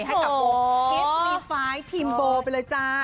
ให้กับโบคิสมีฟ้ายทีมโบไปเลยจ้า